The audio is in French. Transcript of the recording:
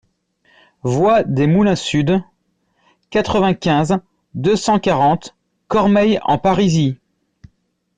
Voie des Moulins Sud, quatre-vingt-quinze, deux cent quarante Cormeilles-en-Parisis